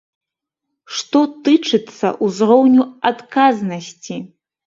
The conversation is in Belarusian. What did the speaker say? Што тычыцца ўзроўню адказнасці.